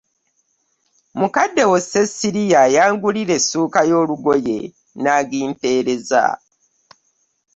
Mukadde wo Sesilia yangulira essuuka y'olugoye n'agimpeereza.